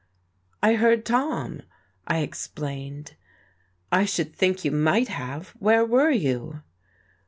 "I heard Tom," I explained. "I should think you might have. Where were you?"